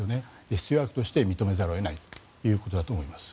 必要悪として認めざるを得ないということだと思います。